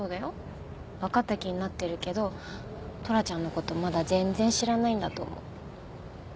わかった気になってるけどトラちゃんの事まだ全然知らないんだと思う。